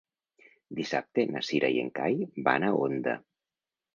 Dissabte na Cira i en Cai van a Onda.